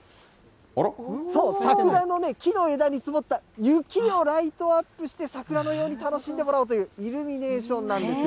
争、桜の木の枝に積もった雪をライトアップして、桜のように楽しんでもらおうというイルミネーションなんですよ。